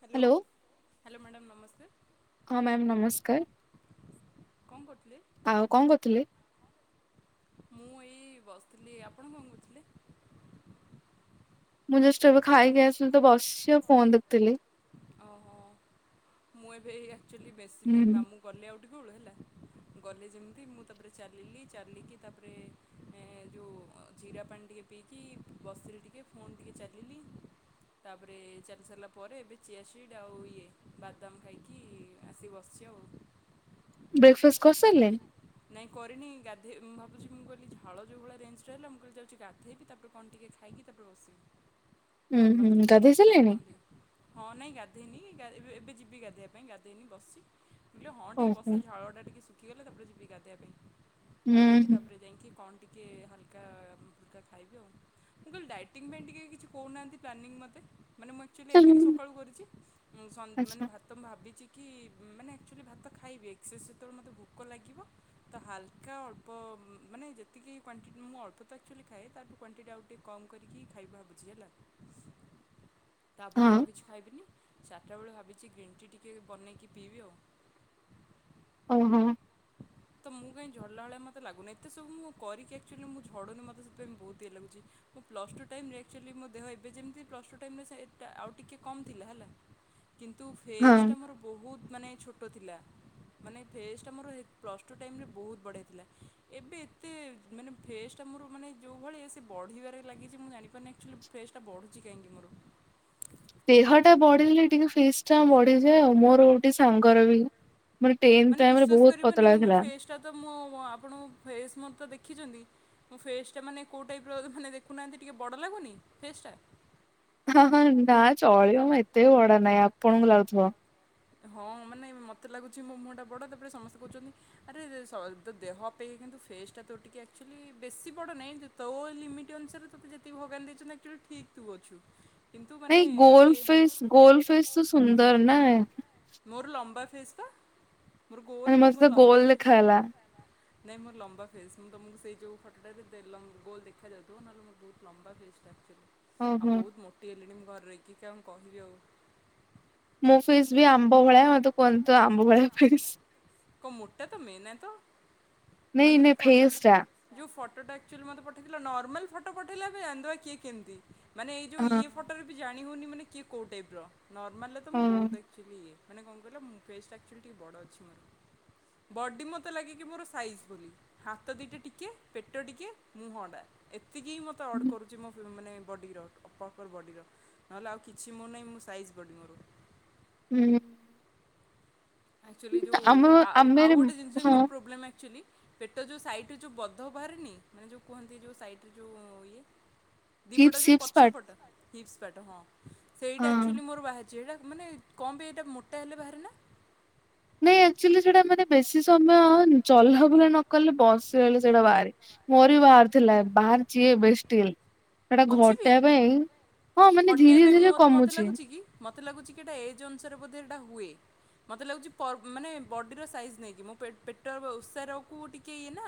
Hello hello madam ନମସ୍କାର। ହଁ ma'am ନମସ୍କାର କଣ କରୁଥିଲେ ଆଉ କଣ କରୁଥିଲେ? ମୁଁ ଏଇ ବସିଥିଲି ଆପଣ କଣ କରୁଥିଲେ? ମୁଁ ଜଷ୍ଟ ଏବେ ହ୍ୟାଲୋ ଖାଇକି ଆସିଲି ତ ବସିବା ଫୋନ ଦେଖିଥିଲି। ଓହୋ ମୁଁ ଏବେ ଏଆ ଲି ବେଶ ହୁଁ ନ ହୁଁ ମାମଁ ଗଲେ ଆଉ ହେ ଗ ଯେମ ମୁ ତାପରେ ଚାଲିଲ ଜିରା ପାଣି ଟିକେ ପିଇକି ବସ ଟିକେ ଫୋନ୍ ଟିକ ଚାଲିଲ ତାପରେ ଚାଲେଇଲି ପରେ ଚିଆ ସିଟ୍ ଆଉ ଇଏ ବାଦାମ ଖାଇକି ଆସିକି ବସିଛି ଆଉ। ବ୍ରେକଫାଷ୍ଟ କରିସାରିଲେଣି। ନାଇଁ କରିନି ଗାଧେଇ ମୁଁ ଭାବୁଛି ମୁଁ କହିଲି ଝାଳ ଯେଉଁ ଭଳି ରେଞ୍ଜଟରେ ହେଲା ମୁଁ କହିଲି ଯାଉଛି ଗାଧୋଇବି ତାପରେ କଣ ଟିକିଏ ଖାଇକି ତାପରେ ବସିବି। ହୁଁ ନାର୍ମଲ୍ ହୁଁ କିଛି ଗାଧେଇ ଛୋଟ ମୋଟ ସାରିଲେଣି କଣ ଦଅ ହଁ ନାଇଁ ଗାଧୋଇନି ଏବେ ଯିବି ଗାଧୋଇବା ପାଇଁ ଗାଧୋଇନି ବସି। ବ ହଁ ଟିକେ ବସେ ଓହୋ ଝଳ ଟା ଟିକେ ଶୁଖଗଲେ ତାପରେ ଯିବି ଗାଧେଇବା ପାଇଁ। ହୁଁ ଗାଧେଇକିି ହୁଁ ତାପରେ ଯାଇକି କଣ ଟିକି ହାଲକା ଫୁଲକା ଖାଇବି ଆଉ ମୁଁ କହିଲି ଡାଇଟିଙ୍ଗ ପାଇଁ ଟିକେ କିଛି କହୁନାହାଁନ୍ତି ପ୍ଲାନିଂ ମୋତେ। ମାନେ ମୁଁ ଅକ୍ଚୁଆଲି ଏତିକି ସକାଳୁ କରିୁଛି ଉଁ ସ ମାନେ ଆଚ୍ଛା ଭା ମୁଁ ଭାବିଛି କି ମାନେ ଆକ୍ଚୁଆଲି ଭାତ ଖାଇବେ ଏକ୍ସସେସ୍ ସେତେବେଳେ ମୋତେ ଭୋକ ଲାଗିବ ତ ହାଲକା ଅଳ୍ପ ମାନେ ଯେତିକି କ୍ୱଣ୍ଟିଟି ମୁଁ ଅଳ୍ପ ତ ଆକ୍ଚୁଆଲି ଖାଏ ତାଠୁ କ୍ଵାଣ୍ଟିଟି ଆଉ ଟିକେ କମ୍ କରିକି ଖାଇ ଭାବୁଛି ହେଲା। ତାପରେ ହଁ ଆଉ କିଛି ଖାଇବିନି। ଚାରିଟା ବେଳେ ଭାବିଛି ଗ୍ରୀନ୍ ଟି ଟିକେ ବନେଇକି ପିଇବି ଆଉ। ଓ ହୋ। ତ ମୁଁ କାହିଁ ଝଡ଼ିଲା ଭଳିଆ ମୋତେ ଲାଗୁନି ଏତ ସବୁ ମୁଁ କରିକି ଆକ୍ଚୁଆଲି ମୁଁ ଝଡ଼ୁନି ମତ ସେପାଇଁ ବହୁତ ଇଏ ଲୁଛି ମୁ ପଲସ୍ ଟୁ ଟାଇମ୍ରରେ ଆକ୍ଚୁଆଲି ମୋ ଦେହ ଏବେ ଯେମିତି ପ୍ଲସ୍ ଟୁ ଟାଇମ୍ ସେ ଆଉ ଟିକେ କମ୍ ଥିଲା ହେଲା। କିନ୍ତୁ ଫେସ୍ଟା ହଁ ମୋର ବହୁତ ମାନେ ଛୋଟ ଥିଲା ମାନେ ଫେସ୍ଟା ମୋର ପ୍ଲସ ଟୁ ଟାଇମ୍ ରେ ବହୁତ ବଢ଼ିଆ ଥିଲା। ଏବେ ଏତେ ମାନେ ଫେସ୍ଟା ମୋର ମାନେ ଯେଉଁ ଭଳି ସେ ବଢ଼ିବାରେ ଲାଗିଛି ମୁଁ ଜାଣିିବି ମନେ ଆକଚୁଆଲି ଫେସା ଟା ବଢ଼ୁଛି କାଇଁକି ମୋର? ଦେହ ଟା ବଢ଼ିଲେ ଟିକେ ଫେସ୍ ଟା ବଢ଼ିଯାଏ ଆଉ। ମୋର ଗୋଟେ ସାଙ୍ଗର ବି ଟେନ୍ଥ ମାନେ ଟାଇମରେ ବିଶ୍ଵାସ ବହୁତ କରିବନି ପତଳା ମୋ ଥିଲା ଫେସ୍ ଟା ତ ମୋ ମ ଆପଣଙ୍କ ଫେସ୍ ମତ ଦେଖ୍ ଖିଛନ୍ତି ମୋ ଫେସ୍ ଟା ମାନେ କୋଉ ଟାଇପ୍ ର ମାନେ ଦେଖୁନାହାନ୍ତି ଟିକେ ବଡ଼ ଲାଗୁନି ଫେସ୍ ଟା। ହଁ ହଁ ନା ଚଳିବ ମ ଏତେ ବି ବଡ ନାଇଁ ଆପଣଙ୍କୁ ଲାଗୁଥିବ। ହଁ ମାନେ ମୋତେ ଲାଗୁଚି ମୋ ମୁହଁ ଟା ବଡ ତାପରେ ସମସ୍ତେ କୋହୁଚନ୍ତି ଆରେ ଆରେ ସଲ୍ ତୋ ଦେହ ଅପେକ୍ଷା କିନ୍ତୁ ଫେସ୍ ଟା ତୋ ଟିକେ ଆକ୍ଚୁଆଲି ବେଶୀ ବଡ ନାଇଁ ତୋ ଲିମିଟ୍ ଅନୁସାରେ ତତେ ଯେତିକି ଭଗବାନ୍ ଦେଇଛନ୍ତି ଆକ୍ଚୁଆଲି ଠିକ୍ ତୁ ଅଛୁ। କିନ୍ତୁ ମାନେ ନାଇଁ ଗୋଲ୍ ଯିଏ ଫେସ୍ ଗୋଲ୍ ଫେସ୍ ତ ସୁନ୍ଦର ନା। ମୋର ଲମ୍ବା ଫେସ୍ ପା। ମୋର ଗୋଲ ଆରେ ନୁହଁ, ମତେ ମୋର ତ ଲମ୍ବା ଗୋଲ ଫେସ୍ଟା ଦେଖାହେଲା। ନାଇଁ ମୋର ଲମ୍ବା ଫେସ୍। ମୁଁ ତମକୁ ସେଇ ଯୋଉ ଫଟୋଟା ଦେ ଲମ୍ ଗୋଲ ଦେଖାଯାଉଥିବ ନହେଲେ ମୋରୋ ବହୁତ ଲମ୍ବା ଫେସ୍ ଟା। ଆଉ ଓହୋ ବୋହୁତ ମୋଟି ହେଲେଣି ମୁଁ। ଘରେ ରହିକି କିଅନ୍ କହିବି ଆଉ? ମୋ ଫ୍ ଫେସ୍ ବି ଆମ୍ବ ଭଳିଆ ହଁ ତ କୁହନ୍ତି ତ ଆମ୍ବ ଭଳିଆ ଫେସ୍। କଣ ମୋଟା ତମେ ନା ତ ନାଇ ନାଇ ଫେସ୍ ଟା। ଟଟା ଆକ୍ଚୁଆଲି ମତେ ପଠେଇଥିଲ ନର୍ମାଲ ଫଟୋ ପଠେଇଲେ ଆମେ ଜାଣିଦବା କିଏ କେମିତି? ମାନେ ଏଇ ଯୋଉ ହଁ ଇଏ ଫଟରେ ବି ଜାଣି ଣି ହୋଉନି ମାନେ କିଏ କୋଉ ଟାଇପ୍ ର। ନର୍ମାଲରେ ତ ମୁଁ ହଁ ବୋହୁତ୍ ଦେଖ୍ ଇଏ ମାନେ କନ୍ କହିଲ ଫେସ୍ ଟା ଅକ୍ଚୋଲି ଟିକେ ବଡ଼ ଅଛି ମୋରୋ। ବଡି ମତେ ଲାଗେ କି ମୋରୋ ସାଇଜ ବୋଲି ହାତ ଦିଟା ଟିକେ ପେଟ ଟିକେ ମୁହଁ ଟା ଏତ୍ ଏତିକି ହିଁ ମତେ ଅଡ୍ କରୁଚି ମୋ ଫି ମାନେ ବଡ଼ିର ପ୍ରପର୍ ବଡ଼ିର ନହେଲେ ଆଉ କିଛି ମୋରୋ ନାହିଁ ମୁଁ ସାଇଜ୍ ବଡ଼ି ମୋରୋ। ହୁଁ। ଆକ୍ଚୁଆଲି ଯୋଉ ଆଉ ଆମେ ଆଉ ଗୋଟେ ଜିନିଷ ବି ହଁ ମୋରୋ ପ୍ରୋବ୍ଲେମ୍ ଆକ୍ଚୁଆଲି। ପେଟ ଯୋଉ ସାଇଟରେ ଯୋଉ ବଧ ବାହାରେନି। ମାନେ ଯୋଉ କୁହନ୍ତି ଯୋଉ ସାଇଟରେ ଯୋଉ ଇଏ। ଦିପଟ ହିପ୍ସ ଯୋଉ ହିପ୍ସ ପଛ ପାର୍ଟ ପଟ। ହିପ୍ସ ପାଟ୍ ହଁ। ସେଇଟା ହଁ। ଆକ୍ଚୁଆଲି ମୋରୋ ବାହାରି ଯେ ହେଟା ମାନେ କଣପି ଏଇଟା ମୋଟା ହେଲେ ବାହାରେ ନା। ଇଁ ଅକ୍ଚୁଆଲି ସେଟା ମାନେ ବେଶୀ ସମୟ ଚଲାବୁଲା ନକଲେ ବସିରହିଲେ ସେଡ଼ା ବାରେ। ମୋରୋ ବି ବାହାରି ଥିଲା ବାହାରିଚି ଏବେ ଷ୍ଟିଲ୍। ସେଟା ଅଛି ବି ଘଟେଇବା ପାଇଁ ହଁ ମାନେ ଧୀରେ ଘଟେଇବା ପାଇଁ ଧୀରେ ମତ୍ ମତେ କମୁଛି ଲାଗୁଚି କି ମତେ ଲାଗୁଚି କି ଏଟା ଏଜ୍ ଅନୁସାରେ ବୋଧେ ଏଟା ହୁଏ। ମତେ ଲାଗୁଚି ପର୍ ମାନେ ବଡ଼ିର ସାଇଜ୍ ନେଇକି ମୋ ପେଟ୍ ପେଟ ଓସାରକୁ ଟିକେ ଇଏ ନା।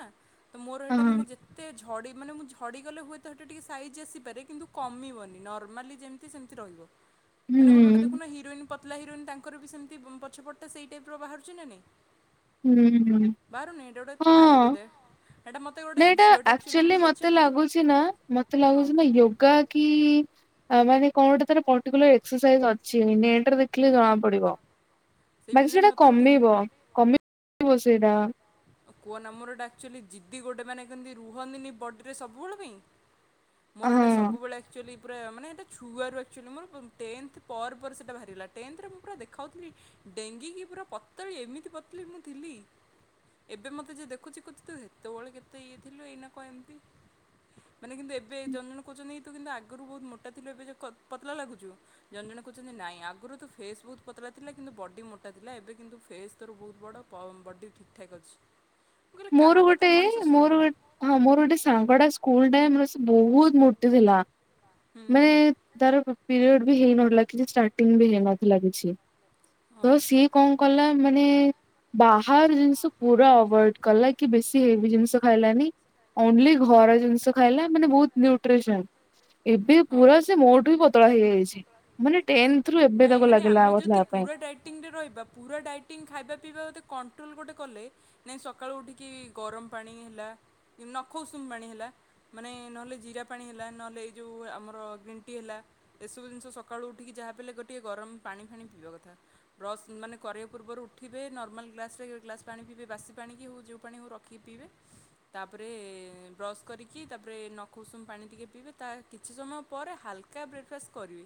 ତ ମୋରୋ ହଁ ଏଇଟା ମାନେ ଯେତେ ଝଡ଼ି ମାନେ ମୁଁ ଝ ଝଡ଼ିଗଲେ ହୁଏତ ହେଟା ଟିକେ ସ୍ ସାଇଜ୍ ଆସିପାରେ କିନ୍ତୁ କମିବନି ନର୍ମାଲି ଯେମିତି ସେମିତି ରହିବ। ମାନେ ଗୋଟେ ଗୋଟେ ହୁଁ। ଦେଖୁନ ହିରୋଇନ୍ ପତଲା ହିରୋଇନ୍ ତାଙ୍କର ବି ସେମିତି ପଛପଟଟା ସେଇ ଟାଇପ୍ ର ବାହାରୁଚି ନା ନାଇଁ। ହୁଁ ହଁ ବାହାରୁନି ଏଇଟା ଗୋଟେ ଥାଏ ହଁ ବୋଧେ। ଏଇଟା ମୋତେ ଗୋଟେ ନା ଏଇଟା ଝିଅଟା ଆକ୍ ଆକ୍ଚୁଆଲି ଚୁଲି ମୁଁ ମତେ ପଚାରିଥିଲି ଲାଗୁଛି ନା ମତେ ହଁ ଲାଗୁଚି ନା ଯୋଗା କି ଆ ମାନେ କଣ ଗୋଟେ ତାର ପର୍ଟିକୁଲାର୍ ଏକସସାଇଜ ଅଛି ନେଟ୍ ରେ ଦେଖଲେ ଜଣା ପଡିବ। ସେଇ ବାକି ନାଇଁ ସେଟା ମୋତେ ଗୋଟେ କମେଇବ କମେଇ ବସେଇଟା କୁଅ ନାମରଟା ଆକ୍ଚୁଲି ଜିଦି ଗୋଟେ ମାନେ କେମ୍ତି ରୁହନ୍ତିନି ବଡିରେ ସବୁବେଳେ ପାଇଁ ମୋର ଏଇଟା ହଁ। ସବୁବେଳେ ଆକ୍ଚୁଆଲି ପୁରା ମାନେ ଏଇଟା ଛୁଆରୁ ଆକ୍ଚୁଆଲି ମୋର ଟେନ୍ଥ ପରେ ପରେ ସେଇଟା ବାହାରିଲା ଟେନ୍ଥରେ ମୁଁ ପୁରା ଦେଖାଉଥିଲି ଡେଙ୍ଗୀ ହେଇକି ପୁରା ପତଳି ଏମିତି ପତଲି ମୁଁ ଥିଲି। ଏବେ ମତେ ଯ ଦେଖୁଚି କହୁ ତୁ ସେତେବେଳେ କେତେ ଇଏ ଥିଲୁ ଏଇନା କଣ ଏମିତି ମାନେ କିନ୍ତୁ ଏବେ ଜଣେ ଜଣ କହୁଚନ୍ତି କି ତୁ କିନ୍ତୁ ଆଗରୁ ବହୁତ ମୋଟା ଥିଲୁ ଏବେ ଯେ ପତଲା ଲାଗୁଚୁ ଜନେ ଜଣେ କହୁଛନ୍ତି ନାଇଁ ଆଗରୁ ତୋ ଫେସ୍ ବହୁତ ପତଲା ଥିଲା କିନ୍ତୁ ବଡି ମୋଟା ଥିଲା ଏବେ କିନ୍ତୁ ଫେସ୍ ତୋର ବହୁତ ବଡ ପ ବଡି ଠିକ ଠିକ୍ ଅଛି। ମୋର ଗୋଟେ ମଣିଷ ମୋର ଶୁଣିବ ଗୋ ହଁ ମୋର ଗୋଟେ ସାଙ୍ଗଡା ସ୍କୁଲ ରେ ବହୁତ ମୋଟି ଥିଲା। ହୁଁ ମାନେ ତାର ପିରିଅଡ଼ ବି ହେଇ ନଥିଲା। କିଛି ଷ୍ଟାର୍ଟିଂ ବି ହେଇନଥିଲା କିଛି। ହଁ ତ ସିଏ କଣ କଲା ମାନେ ବାହାର ଜିନିଷ ପୁରା ଅଭଏଡ୍ କଲା କି ବେଶୀ ହେବି ଜିନିଷ ଖାଇଲାନି ଓନ୍ଲି ଘର ଜିନିଷ ଖାଇଲା ମାନେ ବହୁତ ନ୍ୟୁଟ୍ରିସନ୍ ଏବେ ହଁ ପୁରା ସେ ମୋଠୁ ବି ପତଳା ହେଇଯାଇ ସେ ମାନେ ଟେନ୍ଥ ରୁ ଏବେ ନାଇଁ ତାକୁ ମାନେ ଲାଗିଲା ଆମେ ପତଳା ଯଦି ହେବା ପାଇଁ। ପୁରା ଡାଇଟିଂରେ ରହିବା ପୁରା ଡାଇଟିଂ ଖାଇବା ପିଇବା ଟା କନ୍ କଣ୍ଟ୍ରୋଲ ଗୋଟେ କଲେ ନାଇଁ ସକାଳୁ ଉଠିକି ଗରମ ପାଣି ହେଲା, କି ନଖ ଉସୁମ ପାଣି ହେଲା ମାନେ ନହେଲେ ଜିରା ପାଣି ହେଲା ନହେଲେ ଏଇ ଯଉଁ ଆମର ଗ୍ରୀନ୍ ଟି ହେଲା ଏସବୁ ଜିନିଷ ସକାଳୁ ଉଠିକି ଯାହା ବଲେ ଗୋଟିଏ ଗରମ ପାଣି ଫାଣି ପିଇବା କଥା ବ୍ରସ୍ ମାନେ କରିବା ପୂର୍ବରୁ ଉଠିବେ ନର୍ମାଲ୍ ଗ୍ଲାସ୍ରରେ ଗ ଗ୍ଲାସ୍ ପାଣି ପିଇବେ ବାସି ପାଣିକି ହେଉ ଯଉଁ ପାଣି ହେଉ ରଖିକି ପିଇବେ, ତାପରେ ବ୍ରସ୍ କରିକି ତାପରେ ନଖ ଉଷୁମ ପାଣି ଟିକେ ପିଇବେ, ତା କିଛି ସମୟ ପରେ ହାଲକା ବ୍ରେକ୍ଫାଷ୍ଟ କରିବେ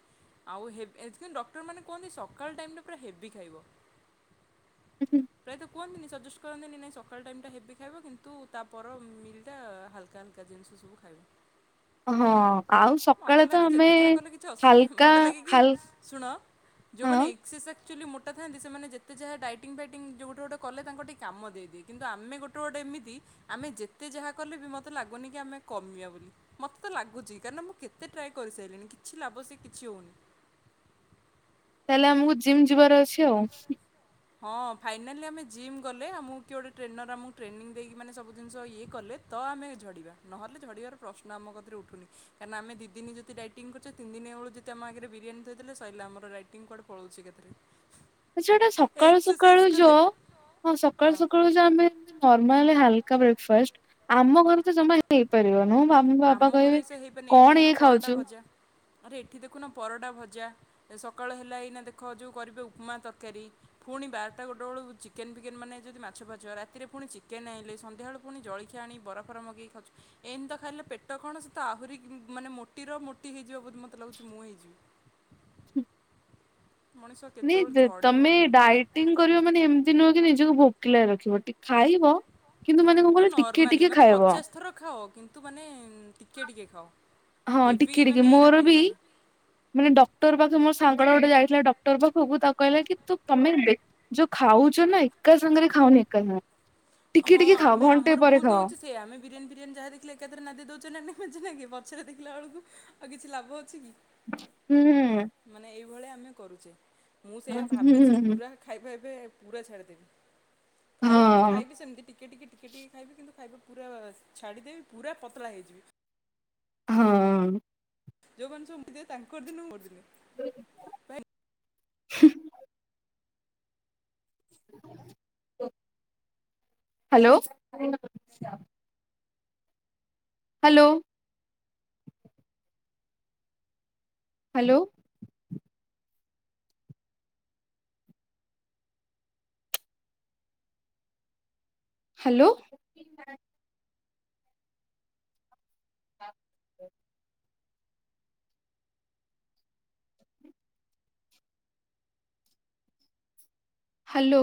ଆଉ ହେବ୍ ଏ କିନ୍ତୁ ଡକ୍ତରମାନେ କୁହନ୍ତି ସକାଳ ଟାଇମଟା ପୁରା ହେବି ଖାଇବ। ପ୍ରାୟତ କୁହନ୍ତିିନି ସଜେସ୍ କରନ୍ତିନି ନାଇଁ ସକାଳ ଟାଇମଟା ହେବି ଖାଇବ କିନ୍ତୁ ତାପର ମିଲ୍ଟା ହାଲକା ହାଲକା ଜିନିଷ ସବୁ ଖାଇବ। ହଁ ଆଉ ମୋତେ ସକାଳେ ତ ଲାଗେ ଆମେ ଯେତେ ଯାହା କଲେ କିଛି ଅସୁବିଧା ହାଲକା ମୋତେ ଲାଗେ କି ହାଲ୍ ଶୁଣ ଯୋଉମାନେ ଏକ୍ସିସ ଆକ୍ଚୁଆଲି ମୋଟା ଥାଆନ୍ତି ସେମାନେ ଯେତେ ଯାହା ଡାଇଟିଙ୍ଗ ଫାଇଟିଂ ଯଉଁ ଗୋଟ ଗୋଟେ କଲେ ତାଙ୍କର ଟିକିଏ କାମ ଦେଇଦିଏ କିନ୍ତୁ ଆମେ ଗୋଟେ ଗୋଟେ ଏମିତି ଆମେ ଯେତେ ଯାହା କଲେ ବି ମୋତେ ଲାଗୁନି କି ଆମେ କମିଆ ବୋଲି, ମୋତେ ତ ଲାଗୁଚି କାରଣ ମୁଁ କେତେ ଟ୍ରାଏ କରିସାରିଲିଣି କିଛି ଲାଭ ସେ କିଛି ହଉନି। ତାହେଲେ ଆମକୁ ଜିମ୍ ଯିବାର ଅଛି ଆଉ। ହଁ ଫାଇନାଲି ଆମେ ଜିମ୍ ଗଲେ ଆମକୁ କି ଗୋଟେ ଟ୍ରେନର ଆମକୁ ଟ୍ରେନିଂ ଦେଇକ ମାନେ ସବୁ ଜିନିଷ ଇଏ କଲେ ତ ଆମେ ଝଡ଼ିବା, ନହେଲେ ଝଡ଼ିବାର ପ୍ରଶ୍ନ ଆମ କତିରେ ଉଠୁନି କାରଣ ଆମେ ଦି ଦିନ ଯଦି ଡାଇଟିଂ କରୁଚେ ତିନି ଦିନ ବଳୁ ଯଦି ଆମ ଆଗରେ ବିରିୟାନୀ ଥୋଇ ଦେଲେ ସରଲା ଆମର ରାଇଟିଂ କୁଆଡ଼େ ପଳଉଚି ଏକା ଥରେ। ଆଛା ଏଟା ସ ସକାଳୁ ସକାଳୁ ଯ ହଁ ସକାଳୁ ସକାଳୁ ଯ ଆମେ [unintelligible] ମାନେ ହାଲକା ବ୍ରେକଫାଷ୍ଟ, ଆମ ଘର ତ ଜମା ଏ ହେଇପାରିବନି। ମମି ବାବା ଆମ ଘର କହିବେ ଏଇସା ହେଇପାରନି ଏଇଟି କଣ ଇଏ ଦେଖୁନ ପରଟା ଖାଉଛୁ। ଭଜା, ଆରେ ଏଇଠି ଦେଖୁନ ପରଟା ଭଜା। ସକାଳୁ ହେଲା ଏଇନା ଦେଖ ଯଉଁ କରିବେ ଉପମା ତରକାରୀ ଫୁଣି ବାରଟା ଗୋଟେ ବଳୁ ଚିକେନ ଫିକେନ୍ ମାନେ ଯଦି ମାଛ ଫାଛ ରାତିରେ ପୁଣି ଚିକେନ ଆଣିଲେ ସନ୍ଧ୍ୟାବେଳୁ ପୁଣି ଜଳଖିଆ ଆଣି ବରାଫରା ମଗେଇ ଖାଉଚୁ ଏମିତି ତ ଖାଇଲେ ପେଟ କଣ ସେ ତ ଆହୁରି କି ମାନେ ମୋଟିର ମୋଟି ହେଇଯିବ ବୋଧ ମୋତେ ଲାଗୁଚି ମୁଁ ହେଇଯିବି। ମଣିଷ ନେ କେତେବେଳେ ଯେ ଝଡ଼ିବ ତମେ ନାଇଁ ତମେ ଡାଇଟିଂ କର ମାନେ ଏମିତି ନୁହେଁ ନିଜକୁ ଭୋକିଲ ରଖିବ ଟିକ ଖାଇବ କିନ୍ତୁ ମାନେ କଣ କହିଲ ଟିକେ ନର୍ମାଲି ଟିକେ ମାନେ ଖାଇବ। ପଚାଶ ଥର ଖାଅ କିନ୍ତୁ ମାନେ ଟିକିଏ ଟିକିଏ ଖାଅ। ହଁ ହେଭି ଟିକେ ଟିକେ ମାନେ ଏଇରା ମୋର ବି ଖାଇବନି ମାନେ ଡକ୍ଟର ପାଖେ ମୋ ସାଙ୍ଗଟା ଗୋଟେ ଯାଇ ଲା ଡକ୍ଟର ପାଖକୁ ତାକୁ କଇଲା କି ତୁ ତମେ ଦେ ଯୋଉ ଖାଉଚ ନା ଏକା ସାଙ୍ଗରେ ଖାଉନି ଏକା ସାଙ୍ଗ ହଁ ଆମେ ଆମର ଭୁଲ ତ ହଉଚି ସେଇୟା, ଆମେ ବିରିୟାନୀ ଫିରିୟାନୀ ଯାହା ଦେଖିଲି ଏକାଥରେ ନାଦି ଦଉଛେ ନା ନା ବୁଝିଲେ କି ପଛରେ ଦେଖିଲା ବେଳକୁ ଆଉ କିଛି ଲାଭ ଅଛି କି? ହୁଁ। ହୁଁ ମାନେ ଏଉଁ ଭଳିଆ ଆମେ କରୁଚେ ମୁଁ ସେଇୟା ହୁଁ ଭାବିଚି ହୁଁ। ପୁରା ଖାଇବା ଏବେ ପୁରା ଛାଡି ଦେବି। ଖାଇବା ମାନେ ହଁ ଖାଇବି ସେମିତି ଟିକେ ଟିକେ ଟିକେ ଟିକେ ଖାଇବି କିନ୍ତୁ ଖାଇବ ପୁରା ଛାଡ଼ିଦେବି ପୁରା ପତଳା ହେଇଯିବି। ହଁ। ଯଉ ମାନେ ସବୁ ମତ ଦେବେ ତାଙ୍କର ଦିନ କୁ ମୋର ଦିନେ ଭାଇ ହୁଁ। Hello. Hello. Hello. Hello. [inaudible] Hello.